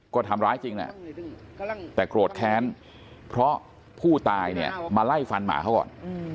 ก็ทำร้ายจริงแหละแต่โกรธแค้นเพราะผู้ตายเนี่ยมาไล่ฟันหมาเขาก่อน